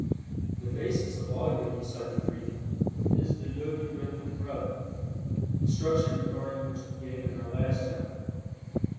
The basis of all Yogi Psychic Breathing is the Yogi Rhythmic Breath, instruction regarding which we gave in our last chapter.